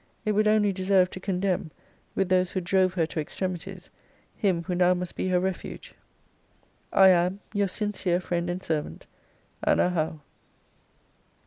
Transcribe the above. It would only deserve to condemn, with those who drove her to extremities, him who now must be her refuge. I am Your sincere friend and servant, ANNA HOWE.